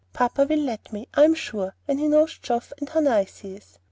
Papa will let me, I am sure, when he knows Geoff, and how nice he is."